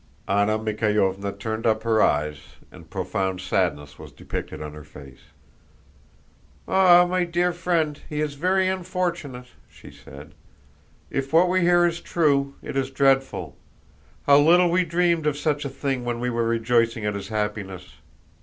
Anna Mikháylovna turned up her eyes, and profound sadness was depicted on her face. "Ah, my dear friend, he is very unfortunate," she said. "If what we hear is true, it is dreadful. How little we dreamed of such a thing when we were rejoicing at his happiness!